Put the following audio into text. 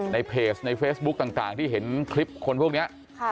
ในเพจในเฟซบุ๊คต่างที่เห็นคลิปคนพวกนี้